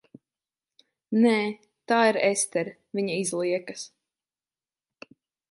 Nē. Tā ir Estere, viņa izliekas.